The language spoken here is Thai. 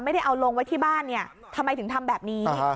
ไม่ได้เอาลงไว้ที่บ้านเนี่ยทำไมถึงทำแบบนี้